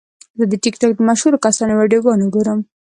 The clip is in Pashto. زه د ټک ټاک د مشهورو کسانو ویډیوګانې ګورم.